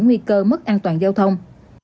nguy cơ mất an toàn giao thông